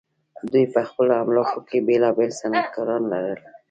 دوی په خپلو املاکو کې بیلابیل صنعتکاران لرل.